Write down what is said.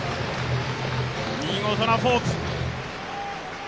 見事なフォーク。